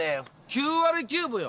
９割９分よ。